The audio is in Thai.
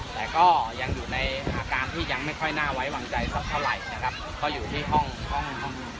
แต่ก็ยังอยู่ในอาการที่ยังไม่ค่อยน่าไว้วางใจสักเท่าไหร่นะครับก็อยู่ที่ห้องห้องห้อง